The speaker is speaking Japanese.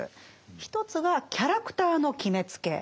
一つが「キャラクターの決めつけ」。